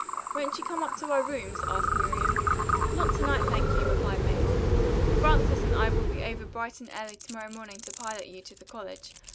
"Won't you come up to our rooms?" asked Miriam. "Not to night, thank you," replied Mabel. "Frances and I will be over bright and early to morrow morning to pilot you to the college.